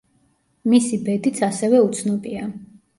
მისი ბედიც ასევე უცნობია.